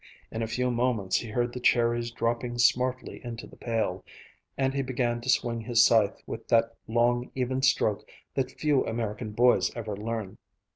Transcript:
In a few moments he heard the cherries dropping smartly into the pail, and he began to swing his scythe with that long, even stroke that few American boys ever learn.